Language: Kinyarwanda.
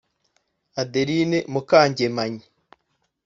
Adeline Mukangemanyi